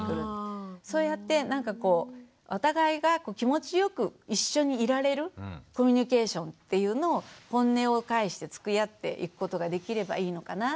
そうやってなんかこうお互いが気持ちよく一緒にいられるコミュニケーションっていうのをホンネを返してつきあっていくことができればいいのかなぁと思います。